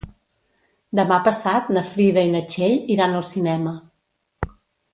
Demà passat na Frida i na Txell iran al cinema.